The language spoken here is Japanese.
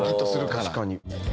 確かに。